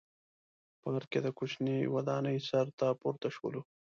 پارک کې د کوچنۍ ودانۍ سر ته پورته شولو.